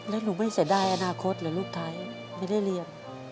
แล้วหนูไม่เสียดายอนาคตเหรอลูกไทยไม่ได้เรียน